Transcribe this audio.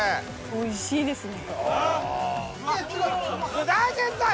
おいしいですね。